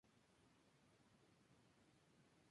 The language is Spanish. Además, Rosalina es un quinto personaje jugable desbloqueable.